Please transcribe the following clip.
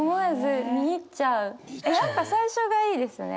やっぱ最初がいいですよね。